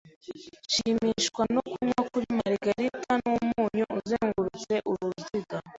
Nshimishwa no kunywa kuri margarita n'umunyu uzengurutse uruziga.